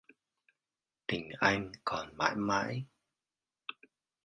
Tình anh còn mãi mãi.